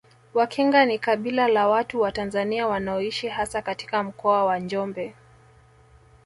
Wakinga ni kabila la watu wa Tanzania wanaoishi hasa katika Mkoa wa Njombe